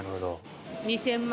２０００万。